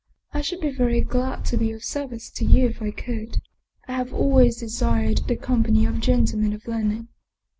" I should be very glad to be of service to you if I could. I have always desired the company of gentlemen of learning.